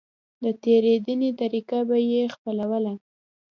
د تېرېدنې طريقه به يې خپلوله.